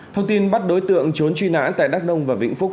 thông tin bắt đối tượng trốn truy nã tại đắk nông và vĩnh phúc